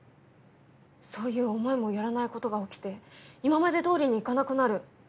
そういう思いもよらない事が起きて今まで通りにいかなくなる。